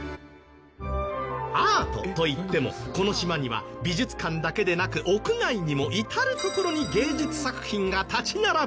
アートといってもこの島には美術館だけでなく屋外にも至るところに芸術作品が立ち並ぶ